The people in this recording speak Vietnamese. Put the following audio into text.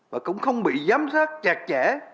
và cũng không bị giám sát chặt chẽ